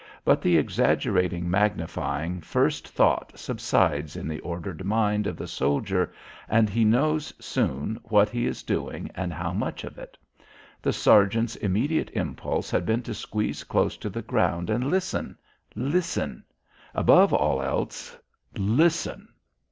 But the exaggerating magnifying first thought subsides in the ordered mind of the soldier and he knows, soon, what he is doing and how much of it. The sergeant's immediate impulse had been to squeeze close to the ground and listen listen above all else, listen.